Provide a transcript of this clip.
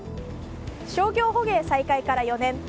商業捕鯨再開から４年。